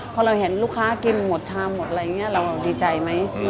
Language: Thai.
พอเราเห็นลูกค้ากินหมดชามหมดอะไรอย่างนี้เราดีใจไหม